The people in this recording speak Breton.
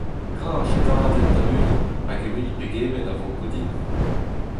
Gra ar jedadenn da-unan hag e weli pegement a vanko din !